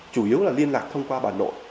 chủ yếu là liên lạc thông qua bà nội